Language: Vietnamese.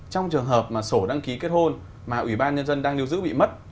trong trường hợp mà sổ đăng ký kết hôn mà ủy ban nhân dân đang lưu giữ bị mất